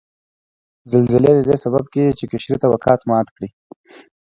زلزلې ددې سبب کیږي چې قشري طبقات مات کړي